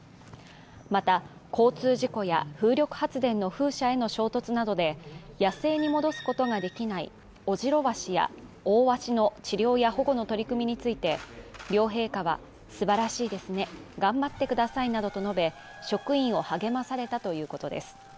また、交通事故や風力発電の風車への衝突などで野生に戻すことができないオジロワシやオオワシの治療や保護の取り組みについて、両陛下はすばらしいですね、頑張ってくださいなどと述べ、職員を励まされたということです。